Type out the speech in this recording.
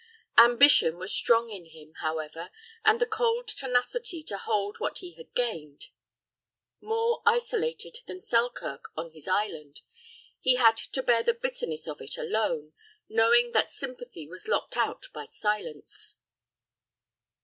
Ambition was strong in him, however, and the cold tenacity to hold what he had gained. More isolated than Selkirk on his island, he had to bear the bitterness of it alone, knowing that sympathy was locked out by silence.